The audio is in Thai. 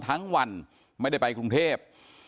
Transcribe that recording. ทั้งวันไม่ได้ไปกรุงเทพ